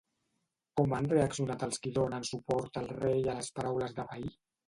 Com han reaccionat els qui donen suport al rei a les paraules de Vehí?